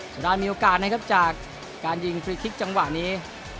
ทางด้านมีโอกาสนะครับจากการยิงฟรีคลิกจังหวะนี้